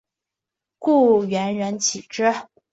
故园人岂知？